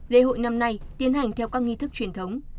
lễ hội năm nay tiến hành theo các nghi thức truyền thống